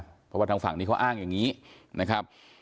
เพราะว่าทางฝั่งนี้เขาอ้างอย่างนี้นะครับ